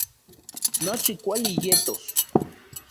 Nochi kuali yetos